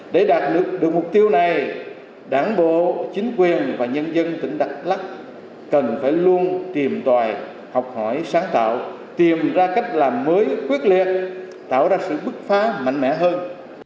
để đạt được mục tiêu này đảng bộ chính quyền và nhân dân tỉnh đắk lắc cần phải luôn tìm tòi học hỏi sáng tạo tìm ra cách làm mới quyết liệt tạo ra sự bức phá mạnh mẽ hơn